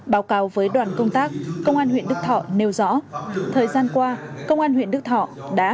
báo cáo với đoàn công tác công an huyện đức thọ nêu rõ thời gian qua công an huyện đức thọ đã